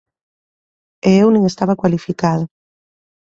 E eu nin estaba cualificado.